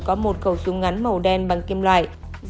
có một khẩu súng ngắn màu đen bằng kim loại